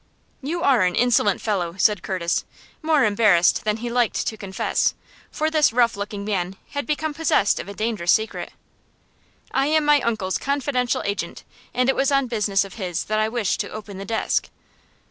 "You are an insolent fellow!" said Curtis, more embarrassed than he liked to confess, for this rough looking man had become possessed of a dangerous secret. "I am my uncle's confidential agent, and it was on business of his that I wished to open the desk."